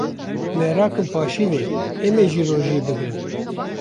Me rakin paşîvê em ê jî rojiyê bigrin.